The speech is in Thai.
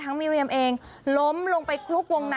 ทั้งมิเรียมเองล้มลงไปลูกวงใน